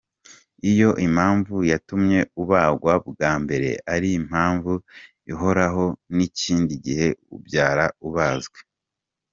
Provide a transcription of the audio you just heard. Iyo impamvu yatumye ubagwa bwa mbere ari impamvu ihoraho n’ikindi gihe ubyara ubanzwe.